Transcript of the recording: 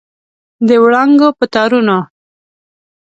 د وړانګو په تارونو